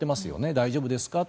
大丈夫ですかと。